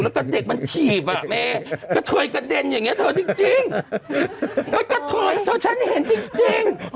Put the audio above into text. เขากดเถิมากแม่กระเทรกระเด็นอย่างเงี้ยเถอะจริง